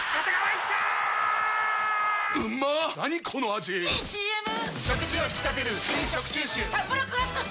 ⁉いいＣＭ！！